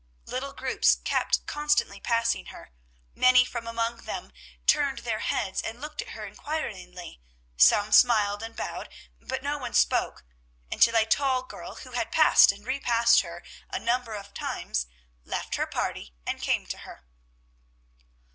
Little groups kept constantly passing her; many from among them turned their heads and looked at her inquiringly; some smiled and bowed, but no one spoke, until a tall girl who had passed and repassed her a number of times left her party and came to her.